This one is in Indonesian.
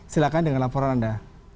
silahkan dengan laporan anda